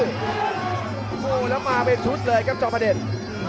โอ้โหแล้วมาเป็นชุดเลยครับจอมประเด็น